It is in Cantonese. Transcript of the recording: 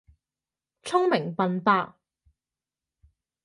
聰明笨伯